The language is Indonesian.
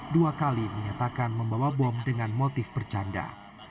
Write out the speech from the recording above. dua kali menyatakan membawa bom dengan motif bercanda